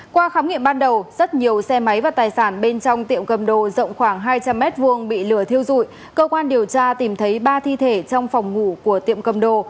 qua khám nghiệm ban đầu rất nhiều xe máy và tài sản bên trong tiệm cầm đồ rộng khoảng hai trăm linh m hai bị lửa thiêu dụi cơ quan điều tra tìm thấy ba thi thể trong phòng ngủ của tiệm cầm đồ